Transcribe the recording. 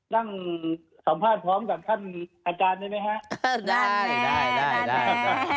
นั่งสัมภาษณ์พร้อมกับท่านอาจารย์ได้ไหมฮะได้ได้